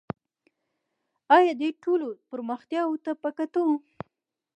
آیا دې ټولو پرمختیاوو ته په کتو